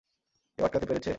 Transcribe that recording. কেউ আটকাতে পেরেছে?